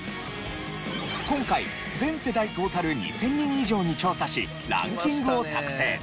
今回全世代トータル２０００人以上に調査しランキングを作成。